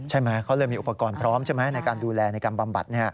ใช่ไหมเขาเลยมีอุปกรณ์พร้อมใช่ไหมในการดูแลในการบำบัด